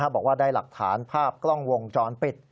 บอกว่าได้หลักฐานภาพกล้องวงจรปิด